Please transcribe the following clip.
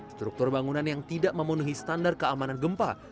struktur bangunan yang tidak memenuhi standar keamanan gempa